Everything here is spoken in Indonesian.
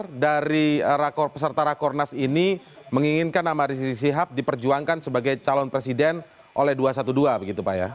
kemudian dari peserta rakornas ini menginginkan nama rizik sihab diperjuangkan sebagai calon presiden oleh dua ratus dua belas begitu pak ya